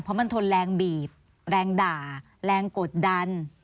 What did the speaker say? เพราะมันทนแรงบีบแรงด่าแรงกดดัน